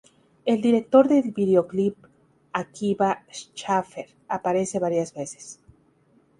El director del videoclip Akiva Schaffer, aparece varias veces.